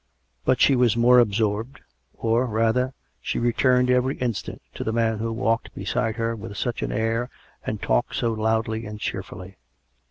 But she was more absorbed — or, rather, she returned every instant to the man who walked beside her with such an air and talked so loudly and cheerfully.